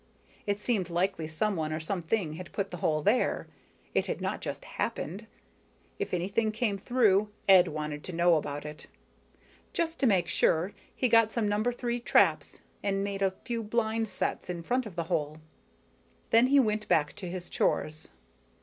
It seemed likely someone or something had put the hole there, it had not just happened. If anything came through, Ed wanted to know about it. Just to make extra sure, he got some number three traps and made a few blind sets in front of the hole. Then he went back to his chores.